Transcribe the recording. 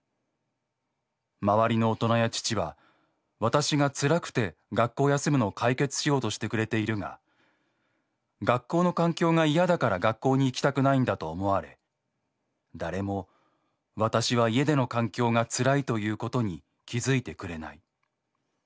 周りの大人や父は私が辛くて学校休むのを解決しようとしてくれているが学校の環境が嫌だから学校に行きたくないんだと思われ誰も私は家での環境が辛いということに気付いてくれない。